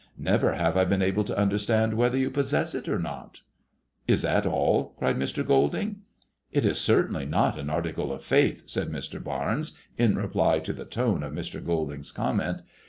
Never have I been able to understand whether you possess it or not." " Is that all ?•• cried Mr. Golding. " It is certainly not an article of faith," said Mr. Barnes, in reply to the tone of Mr. Golding's comment.